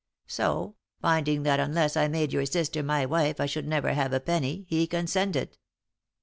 So, finding that unless I made your sister my wife I should never have a penny, he consented."